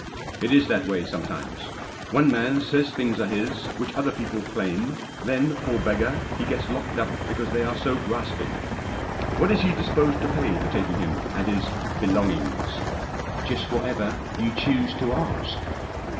" It is that way sometimes. One man says things are his which other people claim ; then, poor beggar, he gets locked up because they are so grasping. What is he disposed to pay for taking him and his belongings?" " Just whatever you choose to ask."